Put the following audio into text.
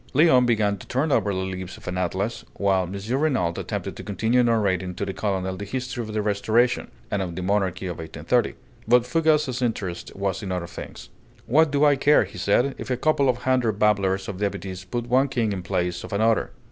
Léon began to turn over the leaves of an atlas, while M. Renault attempted to continue narrating to the colonel the history of the Restoration, and of the monarchy of 1830. But Fougas's interest was in other things. "What do I care," said he, "if a couple of hundred babblers of deputies put one king in place of another?